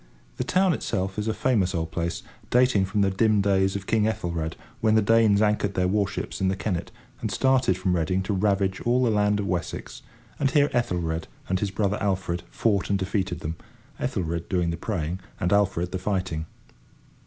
The town itself is a famous old place, dating from the dim days of King Ethelred, when the Danes anchored their warships in the Kennet, and started from Reading to ravage all the land of Wessex; and here Ethelred and his brother Alfred fought and defeated them, Ethelred doing the praying and Alfred the fighting.